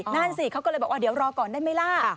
นั่นสิเขาก็เลยบอกว่าเดี๋ยวรอก่อนได้ไหมล่ะ